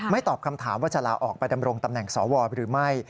ตอบคำถามว่าจะลาออกไปดำรงตำแหน่งสวหรือไม่